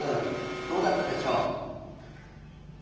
どうだったでしょう。